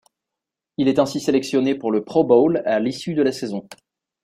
Il est ainsi sélectionné pour le Pro Bowl à l'issue de la saison.